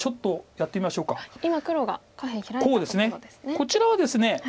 こちらはですね